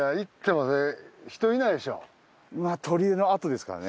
まあ砦の跡ですからね。